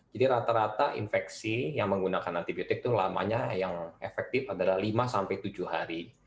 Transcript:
jadi rata rata infeksi yang menggunakan antibiotik itu lamanya yang efektif adalah lima sampai tujuh hari